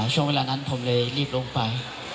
ช่วงเวลานั้นผมเลยรีบลงไป